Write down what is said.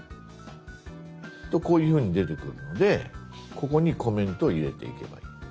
こういうふうに出てくるのでここにコメントを入れていけばいい。